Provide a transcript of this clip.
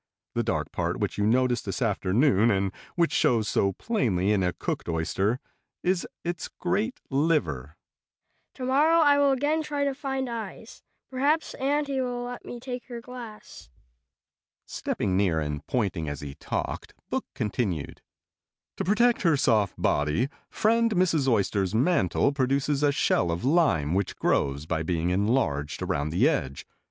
The dark part which you noticed this afternoon and which shows so plainly in a cooked oyster is its great liver." "To morrow I will again try to find eyes. Perhaps auntie will let me take her glass." Stepping near and pointing as he talked, Book continued: "To protect her soft body, friend Mrs. Oyster's mantle produces a shell of lime which grows by being enlarged around the edge.